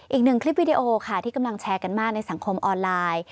อีกหนึ่งคลิปวิดีโอค่ะที่กำลังแชร์กันมากในสังคมออนไลน์